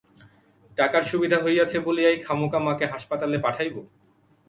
টাকার সুবিধা হইয়াছে বলিয়াই খামকা মাকে হাসপাতালে পাঠাইব?